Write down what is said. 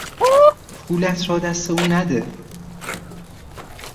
پولت را دست او نده!